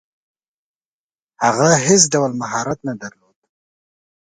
هغه هیڅ ډول مهارت نه درلود.